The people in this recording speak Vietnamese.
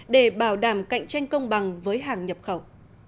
để bảo đảm cạnh tranh công bằng với hàng nhập khẩu